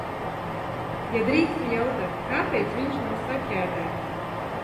Ja drīkstu jautāt, kāpēc viņš nav saķēdēts?